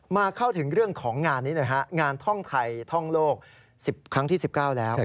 เข้าถึงเรื่องของงานนี้หน่อยฮะงานท่องไทยท่องโลก๑๐ครั้งที่๑๙แล้ว